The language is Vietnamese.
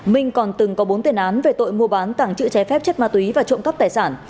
minh còn từng có bốn tiền án về tội mua bán tảng trự trái phép chất ma túy và trộm cắp tài sản